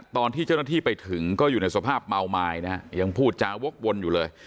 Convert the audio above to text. ตอนที่เจ้าหน้าที่ไปถึงก็อยู่ในสภาพเมาไม้นะฮะยังพูดจาวกวนอยู่เลย